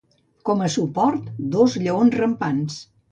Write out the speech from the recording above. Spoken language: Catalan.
Com a suport, dos lleons rampants.